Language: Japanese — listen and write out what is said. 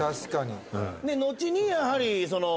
後にやはりその。